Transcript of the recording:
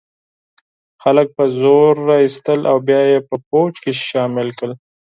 خلک په زور را وستل او بیا یې په پوځ کې شامل کړل.